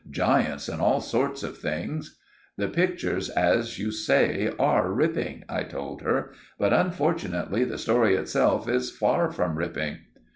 "Giants and all sorts of things." "The pictures, as you say, are ripping," I told her; "but, unfortunately, the story itself is far from ripping."